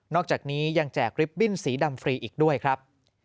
อกจากนี้ยังแจกริบบิ้นสีดำฟรีอีกด้วยครับ